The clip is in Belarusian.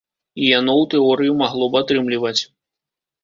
І яно ў тэорыі магло б атрымліваць.